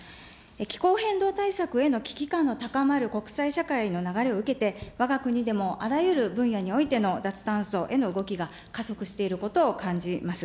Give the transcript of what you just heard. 気候変動対策への危機感の高まる国際社会の流れを受けて、わが国でもあらゆる分野においての、脱炭素への動きが加速していることを感じます。